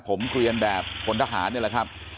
ผมเกลียนแบบพลทหารนี่แหละครับ